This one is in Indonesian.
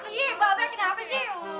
iya mbak be kenapa sih